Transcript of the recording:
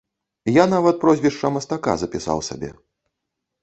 Я нават прозвішча мастака запісаў сабе.